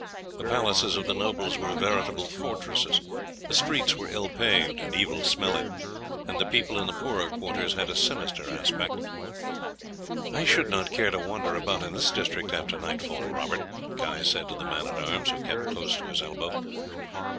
The palaces of the nobles were veritable fortresses, the streets were ill paved and evil smelling, and the people in the poorer quarters had a sinister aspect. "I should not care to wander about in this district after nightfall, Robert," Guy said to the man at arms, who kept close to his elbow.